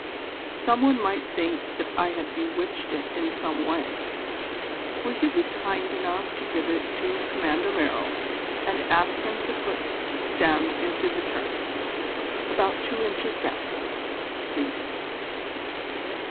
Some one might think that I had bewitched it in some way; will you be kind enough to give it to Commander Merrill and ask him to put the stem into the turf: about two inches down, please."